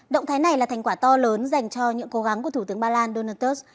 động thái này là thành quả to lớn dành cho những cố gắng của thủ tướng ba lan donald trump